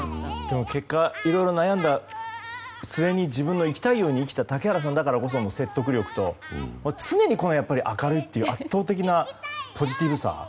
結果、いろいろ悩んだ末に自分の生きたいように生きた竹原さんだからこその説得力と常に明るいという圧倒的なポジティブさ。